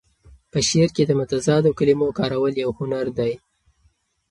په شعر کې د متضادو کلمو کارول یو هنر دی.